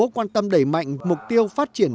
quan tâm đẩy mạnh mục tiêu phát triển